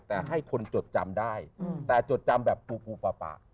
แต่ให้คนจดจำได้แต่จดจำแบบปูปูปะ